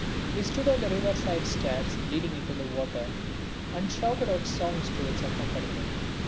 We stood on the river side stairs leading into the water and shouted out songs to its accompaniment.